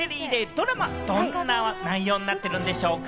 ドラマ、どんな内容になっているんでしょうか？